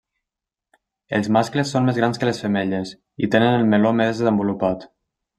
Els mascles són més grans que les femelles i tenen el meló més desenvolupat.